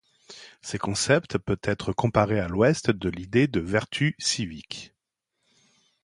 Ses concepts peut être comparé à l'Ouest de l'idée de vertu civique.